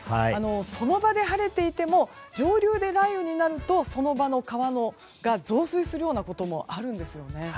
その場で晴れていても上流で雷雨になるとその場の川が増水することもあるんです。